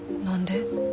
何で？